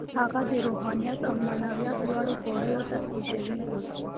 هغه د روحانيت او معنويت لوړو پوړيو ته خېژوي.